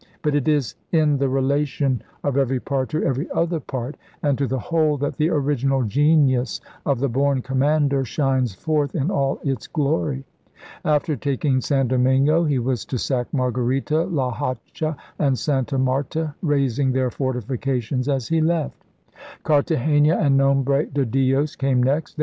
But it is in the relation of every part to every other part and to the whole that the original genius of the born commander shines forth in all its glory. After taking San Domingo he was to sack Margarita, La Hacha, and Santa Marta, razing their fortifications as he left. Cartagena and Nombre de Dios came next.